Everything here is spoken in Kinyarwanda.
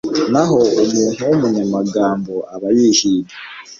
naho umuntu w’umunyamagambo aba yihiga